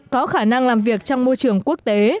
có khả năng làm việc trong môi trường quốc tế